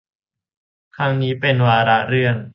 ครั้งนี้เป็นวาระเรื่อง